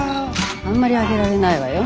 あんまり上げられないわよ。